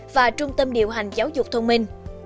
và trung tâm điều hành giáo dục thông minh